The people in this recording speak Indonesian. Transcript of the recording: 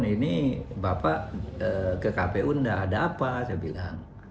ini bapak ke kpu tidak ada apa saya bilang